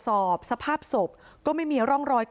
อาบน้ำเป็นจิตเที่ยว